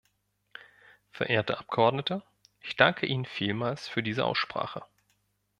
Verehrte Abgeordnete, ich danke Ihnen vielmals für diese Aussprache.